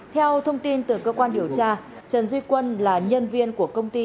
theo thông tin từ cơ quan điều tra trần duy quân là nhân viên của công ty